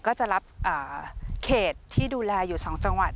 ก็จะรับเขตที่ดูแลอยู่๒จังหวัด